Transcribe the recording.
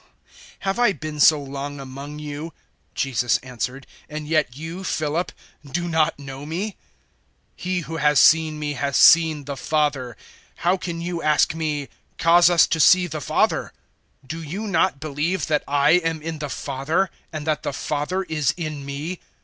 014:009 "Have I been so long among you," Jesus answered, "and yet you, Philip, do not know me? He who has seen me has seen the Father. How can *you* ask me, `Cause us to see the Father'? 014:010 Do you not believe that I am in the Father and that the Father is in me?